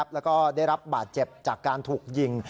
แล้วก็ได้รับบาดเจ็บจากการถูกยิง